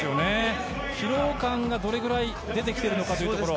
疲労感がどれくらい出てきているかというところ。